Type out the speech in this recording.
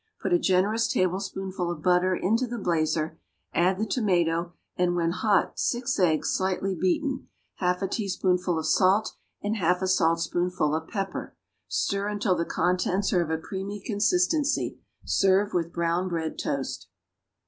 Put a generous tablespoonful of butter into the blazer; add the tomato, and, when hot, six eggs, slightly beaten, half a teaspoonful of salt and half a saltspoonful of pepper. Stir until the contents are of a creamy consistency. Serve with brownbread toast.